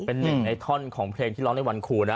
เป็นหนึ่งในท่อนของเพลงที่ร้องในวันครูนะ